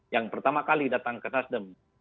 yang pertama kali datang ke nasdem